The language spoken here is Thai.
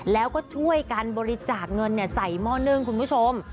แล้วก็ช่วยกันบริจาคเงินใส่หม้อนึ่งคุณผู้ชม